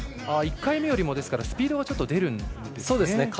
１回目よりもスピードは出るんですね。